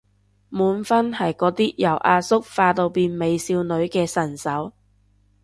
滿分係嗰啲由阿叔化到變美少女嘅神手